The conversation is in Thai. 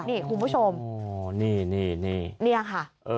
นี่คุณผู้ชมเนี่ยค่ะ